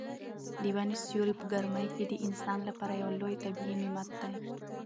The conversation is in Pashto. د ونو سیوری په ګرمۍ کې د انسان لپاره یو لوی طبیعي نعمت دی.